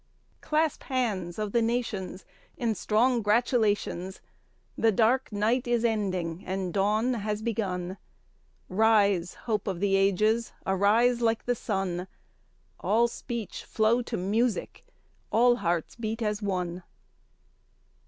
Clasp hands of the nations In strong gratulations: The dark night is ending and dawn has begun; Rise, hope of the ages, arise like the sun, All speech flow to music, all hearts beat as one!